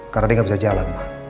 karena dia nggak bisa jalan ma